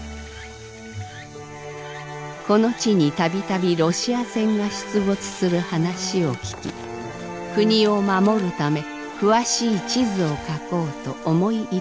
この地にたびたびロシア船が出没する話を聞き国を守るため詳しい地図を描こうと思い至ったのである。